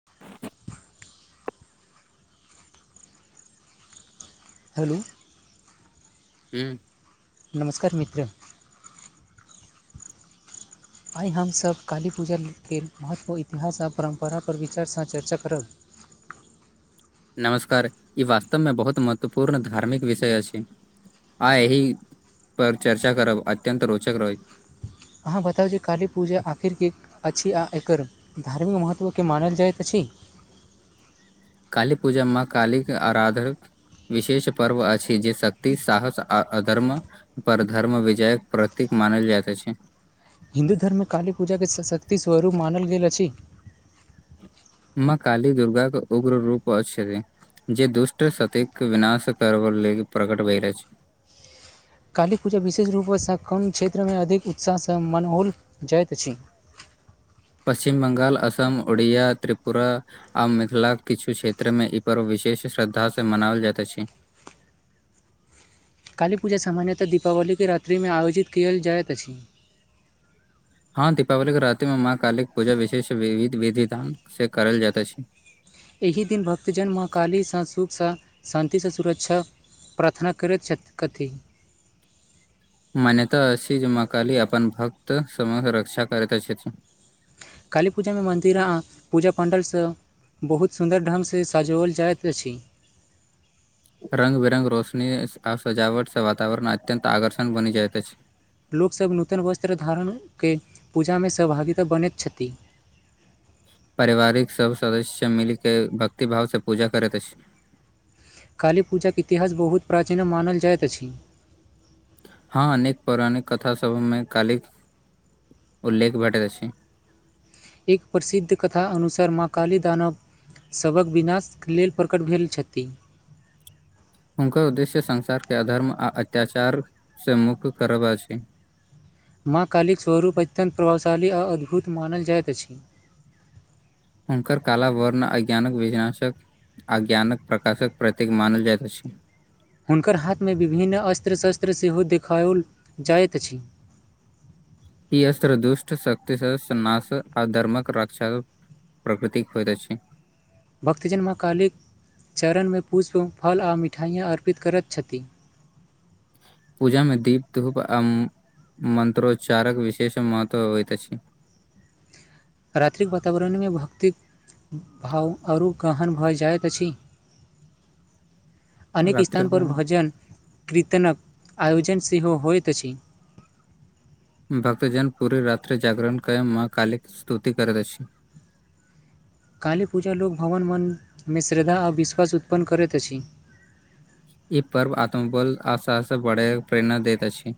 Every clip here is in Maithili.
[inaudible] हेलो हूं नमस्कार मित्र आइ हम सब काली पूजा के महत्व इतिहास आ परम्परा पर विचार सँ चर्चा करब नमस्कार ई वास्तव मे बहुत महत्वपूर्ण धार्मिक विषय अछि आ एहि पर चर्चा करब अत्यन्त रोचक रहै अहाँ बताउ जे काली पूजा आखिर किक अछि आ एकर धार्मिक महत्व के मानल जाइत अछि काली पूजा मे मां कालीके आराधक विशेष पर्व अछि जे शक्ति साहस आ अधर्म पर धर्म विजयक प्रतीक मानल जाइत अछि हिन्दू धर्म मे काली पूजा के सशक्तिक स्वरूप मानल गेल अछि मां काली दुर्गाे के उग्र रूप अछि जे दुष्ट सतिक विनाश करब लेल प्रकट भेल रहल अछि काली पूजा विशेष रूपसँ कोन क्षेत्र मे अधिक उत्साहसँ मनाओल जाइत अछि पश्चिम ब्गाल असम ओड़िया त्रिपुरा आब मिथिलाक किछु क्षेत्र मे ई पर्व विशेष श्रद्धासँ मनायल जाइत अछि काली पूजा सामान्यतह दीपावली के रात्रि मे आयोजित कयल जाइत अछि हँ दीपावली के राति मे माँ काली के पूजा विशेष वि विधिान से करल जाइता अछि एहि दिन भक्तजन मां कालीसँ सुखसँ शान्तिसँ सुरक्षा प्रार्थना करति छथि कथि मान्यता अति जे मां काली अपन भक्त सम रक्षा करति अछि छथिन काली पूजा मे मन्दिर आ पूजा पाण्डल सँ बहुत सुन्दर ढङ्गसँ सजाओल जाइत अछि रंग बिरंग रोशनी आ सजावट स वातवरण अत्यत आकर्षण बनि जाइत अछि लोक सब नूतन वस्त्र धारण के पूजा मे सहभागिता बनति छथि पारिवारिक सब सदस्य सब मिल के भक्ति भाव से पूजा करति अछि काली पूजा के इतिहास बहुत प्राचीन मानल जाइत अछि हँ अनेक पौराणिक कथास सभ मे कालिक उल्लेख भेटति अछि एक प्रसिद्ध कथा अनुसार माँ काली दानव सभक विनाश लेल प्रकट भेल छथि हुनकर उद्देश्य संसार के अधर्म आ अत्याचारसँ मुक्त करब अछि माँ कालि स्वरूप अत्यन्त प्रभावशाली आ अद्भुत मानल जाइत अछि हुनकर काला वर्ण अज्ञानक विशनाशक आ ज्ञानक प्रकाशक प्रतीक मानल जाइत अछि हुनकर हाथ मे विभिन्न अस्त्र शस्त्र सेहो देखाओल जाइत अछि ई अस्र दुष्ट शक्तिना स आ धर्मक रक्षक प्रकृतिक होइत अछि भक्तजन म कालिक चरण मे पुष्प फल आओ मिठाइयाँ अर्पित करति छथि पूजा मे दीप धूप आ मन्त्रोच्चारक विशेष महत्व अबइत अछि रात्रिक वातावरण मे भौतिक भाव आओर कहन भऽ जाइत अछि अनेक रात्रि स्थानपर भजन कीर्तनक आयोजन सेहो होइत अछि भक्तजन पूरी रात्रि जागरण कय मां कालिक स्तुति करति अछि काली पूजा लोक भवन मन मे श्रद्धा आ विश्वास उत्पन्न करति अछि ई पर्व आत्मबल आशासँ बढ़े प्रेरणा दति अछि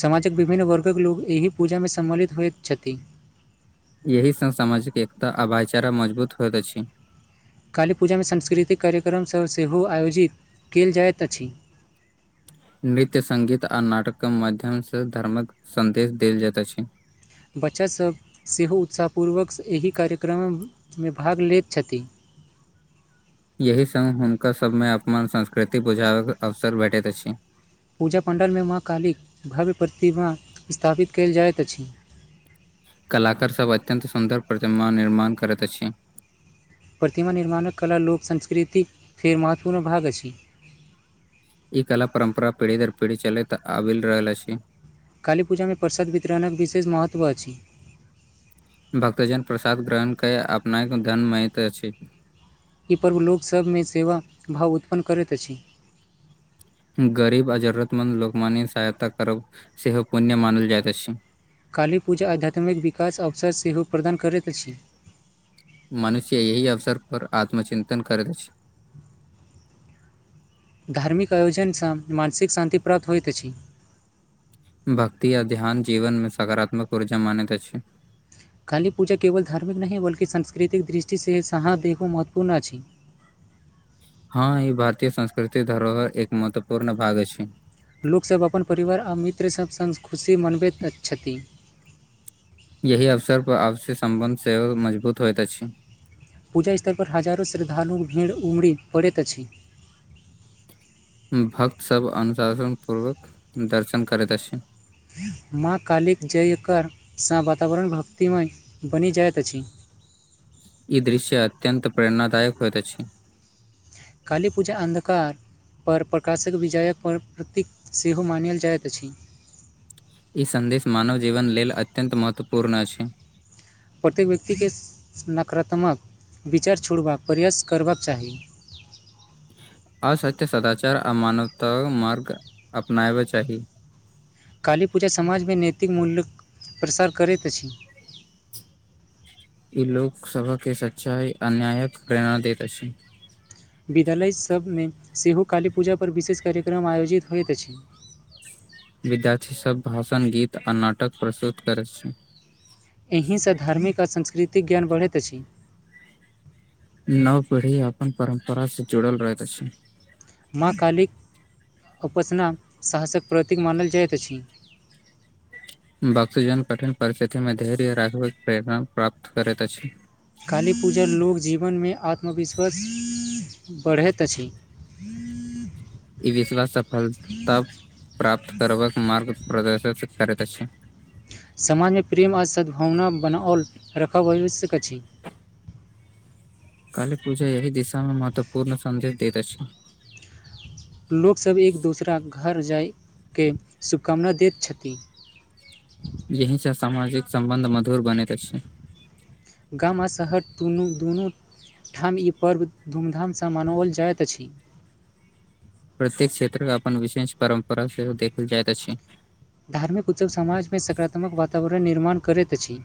समाजक विभिन्न वर्गक लोक एहि पूजा मे सम्मिलित होइत छथि एहि संग सामाजिक एकता आ भाईचारा मजबूत होइत अछि काली पूजा मे सांस्कृतिक कार्यक्रम सभ सेहो आयोजित कईल जाइत अछि नृत्य सङ्गीत आ नाटक के माध्यम सँ धर्मक सन्देश देल जाइत अछि बच्चा सभ सेहो उत्साहपूर्वक एहि कार्यक्रम मे भाग लति छथि एहि सङ्ग हुनका सभ मे अपन संस्कृति बुझाबक अवसर भेटति अछि पूजा पण्डलमे माँ कालिक भव्य प्रतिमा स्थापित कयल जाइत अछि कलाकार सभ अत्यन्त सुन्दर प्रतिमा निर्माण करति अछि प्रतिमा निर्माणक कला लोक संस्कृतिक फेर महत्वपूर्ण भाग अछि ई कला परम्परा पीढ़ी दर पीढ़ी चलति आबि रहल अछि काली पूजा मे प्रसाद वितरण के विशेष महत्व अछि भक्तजन प्रसाद ग्रहण के अपना धन मति अछि ई पर्व लोक सभ मे सेवा भाव उत्पन्न करति अछि गरीब आ जरतमन्द लोककमान्य सहायता करब सेहो पुण्य मानल जाइत अछि कालीपूजा आध्यात्मिक विकास अवसर सेहो प्रदान करति अछि मनुष्य एहि अवसर पर आत्मचिन्तन करति अछि धार्मिक आयोजनसँ मानसिक शान्ति प्राप्त होइत अछि भक्ति आ ध्यान जीवन मे सकारात्मक ऊर्जा मानति अछि काली पूजा केवल धार्मिक नहि बल्कि सांस्कृतिक दृष्टिसँ सहाँ देखो महत्वपूर्ण अछि हँ ई भारतीय संस्कृति धरोहर एक महत्वपूर्ण भाग अछि लोकसभ अपन परिवार आ मित्र सभ सङ् खुशी मनबति छथि यही अवसर पर आपसी सम्बन्ध सेहो मजबूत होइत अछि पूजा स्थल पर हजारो श्रद्धालु भीड़ उमड़ पड़ति अछि भक्त सभ अनुशासन पूर्वक दर्शन करति अछि माँ कालीक जयकर सँ वातावरण भक्तिमय बनि जाइत अछि ई दृश्य अत्यंत प्रेरणादायक होयइत अछि काली पूजा अन्धकार आओर प्रकाशक विजयक प्रतीक सेहो मानल जाइत अछि ई सन्देश मानव जीवन लेल अत्यन्त महत्वपूर्ण अछि प्रत्येक व्यक्ति के नकारात्मक विचार छोड़बाक प्रयास करबाक चाही आ सत्य सदाचार आ मानवताक मार्ग अपना बय चाही काली पूजा समाज मे नैतिक मूल्य प्रसार करति अछि ई लोक सभके सच्चाइ अन्यायिक प्रेरणा दति अछि विद्यालय सभ मे सेहो काली पूजा पर विशेष कार्यक्रम आयोजित होइत अछि विद्यार्थी सभ भाषण गीत आ नाटक प्रस्तुत करति छी एहि सँ धार्मिक आओर सांस्कृतिक ज्ञान बढ़ति अछि नव पीढ़ी अपन परम्परा से जुड़ल रहति अछि माँ कालीक उपासना साहसक प्रतीक मानल जाइत अछि भक्तजन कठिन परिस्थिति मे धैर्य राखबाक प्रेरण प्राप्त करति अछि काली पूजा लोक जीवन मे आत्मविश्वास बढ़ति अछि ई विश्वास सफलता प्राप्त करबाक मार्ग प्रदर्शित करति अछि समान्य प्रेम आ सद्भावना बनाओल रखय आवश्यक अछि काली पूजा यही दिशा मे महत्वपूर्ण संदेश दति अछि लोक सब एक दोसरा के घर जाइ के शुभकामना दति छथि जही स सामाजिक संबन्ध मधुर बनति अछि गाम आ शहर दुनू दुनू ठाम ई पर्व धूमधाम सँ मनाओल जाइत अछि प्रत्येक क्षेत्र अपन विशेष परंपरा सेहो देखल जाइत अछि धार्मिक उत्सव समाज मे सकारात्मक वातावरण निर्माण करति अछि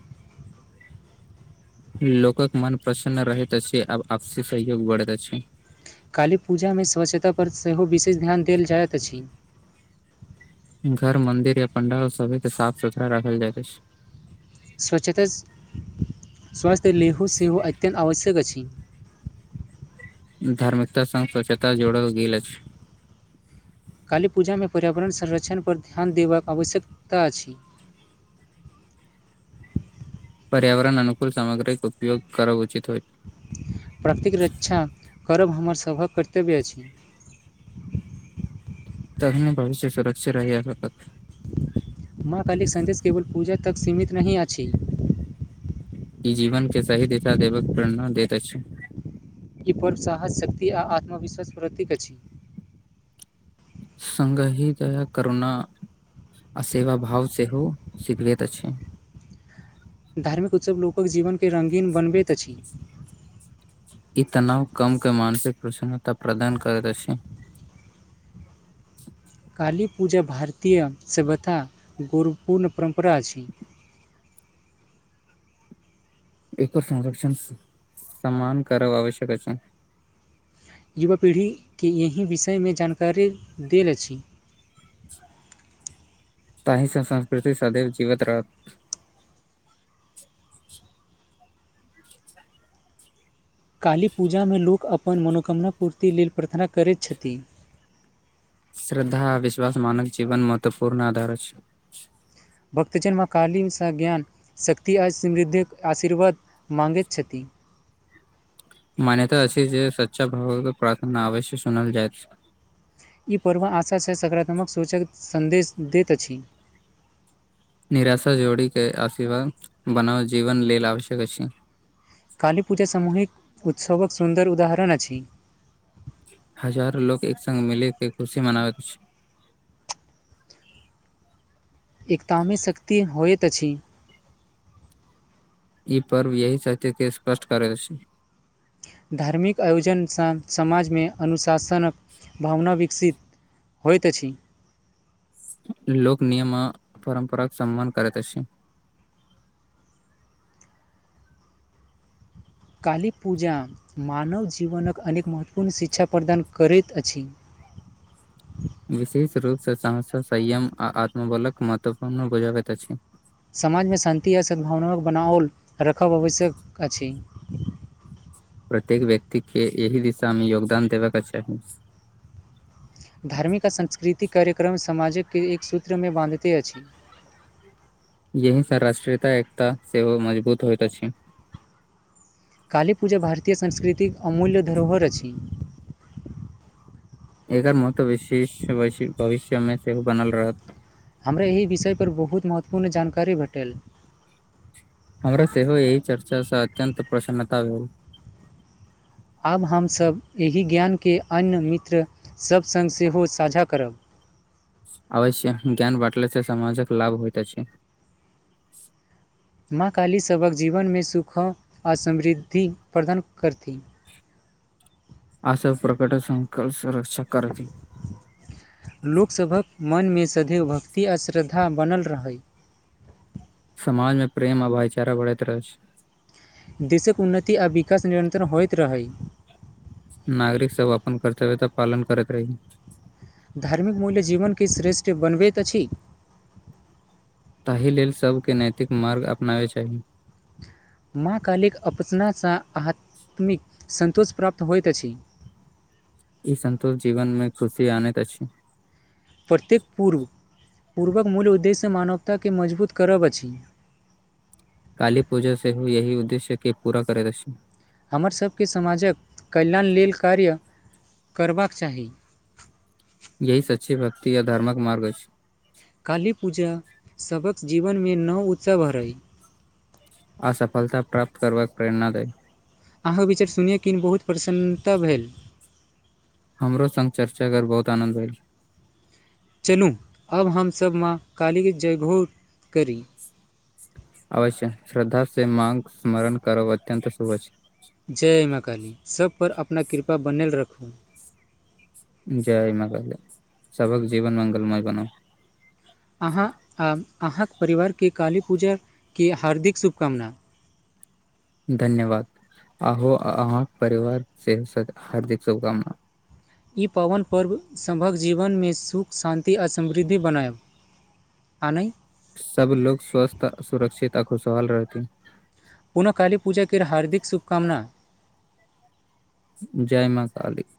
लोकक मन प्रसन्न रहति अछि आब आपसी सहयोग बढ़ति अछि काली पूजा मे स्वच्छता पर सेहो विशेष ध्यान देल जाइत अछि घर मंदिर या पंडाल सभे के साफ सुथरा राखल जाइत अछि स्वच्छता स्वास्थ लेहु सेहो अत्यन्त आवश्यक अछि धार्मिकता संग स्वच्छता जोड़ल गेल अछि काली पूजा मे पर्यावरण संरक्षण पर ध्यान देबाक आवश्यकता अछि पर्यावरण अनुकूल सामग्रीक उपयोग करब उचित होइत प्रकतिक रक्षा करब हमर सभक कर्तव्य अछि तही मे भविष्य सुरक्षित रहहिएत माँ कालिक सन्देश केवल पूजा तक सीमित नहि अछि ई जीवन के सही दिशा देवक प्रेरणा देत अछि ई पर्व साहस शक्ति आ आत्मविश्वास प्रतीक अछि संगही दया करुणा आ सेवा भाव सेहो सिखबति अछि धार्मिक उत्सव लोकक जीवन के रंगीन बनबति अछि ई तनाव कम के मानसिक प्रसन्नता प्रदान करति अछि काली पूजा भारतीय सभ्यता गौरवपूर्ण परम्परा अछि एकर संरक्षण समान करब आवश्यक अछि युवा पीढ़ी के एहि विषय मे जानकारी देल अछि ताहि संग संस्कृति सदवि जीवत रहत काली पूजा मे लोक अपन मनोकामना पूर्ति लेल प्रार्थना करति छथिन श्रद्धा आ विश्वास मानव जीवन महत्वपूर्ण आधार अछि भक्तजन मां काली सँ ज्ञान शक्ति आ समृद्धिक आशीर्वाद माँगति छथि मान्यता अछि जे सच्चा भगवत प्रार्थना अवश्य सुनल जाईत ई पर्व आशाँ से सकारात्मक सोच सन्देश दति अछि निराशा जोड़िके आशीर्वाद बनाओ जीवन लेल आवश्यक अछि कालीपूजा सामूहिक उत्सवक सुन्दर उदाहरण अछि हजारो लोग एक संगङ्ग मिले के खुशी मनाबति अछि एकता मे शक्ति होइत अछि ई पर्व यही सत्य के स्पष्ट करलि अछि धार्मिक आयोजन सँ समाज मे अनुशासनक भावना विकसित होइत अछि लोक नियम आ परम्पराक सम्मान करति अछि काली पूजा मानव जीवनक अनेक महत्वपूर्ण शिक्षा प्रदान करति अछि विशेष रूप सँ समस्या संयम आ आत्मबलक महत्वपूर्ण बुझाबति अछि समाज मे शान्ति आ सद्भावनाक बनाओल रखब आवश्यक अछि प्रत्येक व्यक्ति के एहि दिशा मे योगदान देबेके चाही धार्मिक आ सांस्कृतिक कार्यक्रम समाज के एक सूत्र मे बाँधते अछि यह सब राष्ट्रीयता एकता सेहो मजबूत होइत अछि कालीपूजा भारतीय संस्कृतिक अमूल्य धरोहर अछि एकर महत्व विशेष भविष्य मे सेहो बनल रहत हमरा एहि विषयपर बहुत महत्वपूर्ण जानकारी भेटल हमरा सेहो एहि चर्चा से अत्यन्त प्रसन्नता भेल आब हमसभ एहि ज्ञान के अन्य मित्र सभ सङ्ग सेहो साझा करब अवश्य ज्ञान बाटला से समामाजक लाभ होइत अछि माँ काली सभक जीवन मे सुख आ समृद्धि प्रदान करथिन अ प्रकट संकल्प र्षा [unintelligible] करथि लोक सभक मन मे सधैव भक्ति आ श्रद्धा बनल रहै समाज मे प्रेम आ भाईचारा बढ़ति रहै छै देशक उन्नति आ विकास नियन्त्रण होइत रहै नागरिक सब अपन कर्तव्य त पालन करति रहहि धार्मिक मूल्य जीवन के श्रेष्ठ बनबति अछि ताहि लेल सभके नैतिक मार्ग अपनावै चाही माँ कालिक अपसनासँ आत्मिक सन्तोष प्राप्त होइत अछि ई संन्तोष जीवन मे खुशी आनति अछि प्रत्येक पूर्व पूर्वक मूल उद्देश्य मानवताके मजबूत करब अछि काली पूजा सेहो यही उद्देश्य के पूरा करति अछि हमर सभके समाजक कल्याण लेल कार्य करबाक चाही यही सच्ची भक्ति या धर्मक मार्ग अछि काली पूजा सभक जीवन मे नव उत्सव भरै आ सफलता प्राप्त करबाक प्रेरणा दै अहाँके विचार सुनियौ किन बहुत प्रसन्नता भेल हमरो संग चर्चा कर बहुत आनन्द होयल चलू अब हमसभ माँ काली के जगभोर करी अवश्य श्रद्धा से माँंग स्मरण करब अत्यंत शुभ अछि जय माँ काली सबपर अपना कृपा बनेल रखू जय मां काली सबहक जीवन मंगलमय बनै अहाँ आ अहाँके परिवारके काली पूजाके हार्दिक शुभकामना धन्यवाद अहो अहाँके परिवार से हार्दिक शुभकामना ई पावन पर्व सभक जीवन मे सुख शान्ति आ समृद्धि बनायब आनै सब लोक स्वस्थ सुरक्षित आ खुशहाल रहथी पुनह काली पूजाक केर हार्दिक शुभकामना जय मां काली